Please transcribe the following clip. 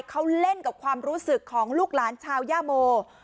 เขาเล่นกับความรู้สึกของลูกหลานชาวย่าโม